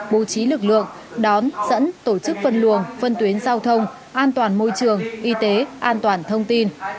bố trí lực lượng đón dẫn tổ chức phân luồng phân tuyến giao thông an toàn môi trường y tế an toàn thông tin